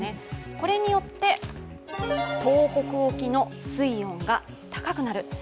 これによって東北沖の水温が高くなる。